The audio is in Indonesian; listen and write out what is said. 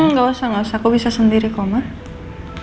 enggak usah enggak usah aku bisa sendiri kok mama